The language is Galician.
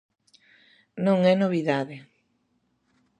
Non é novidade.